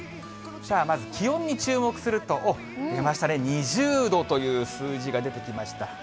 まず気温に注目すると、おっ、出ましたね、２０度という数字が出てきました。